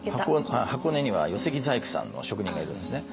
箱根には寄木細工さんの職人がいるんですね。